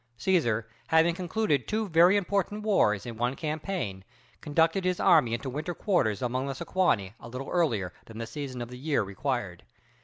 Cæsar, having concluded two very important wars in one campaign, conducted his army into winter quarters among the Sequani a little earlier than the season of the year required.